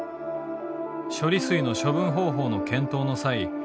処理水の処分方法の検討の際